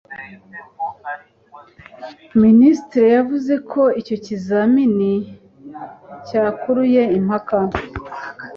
Minisitiri yavuze ko icyo kizamini cyakuruye impaka